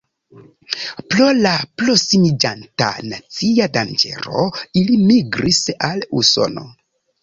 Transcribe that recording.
Pro la prosimiĝanta nazia danĝero ili migris al Usono.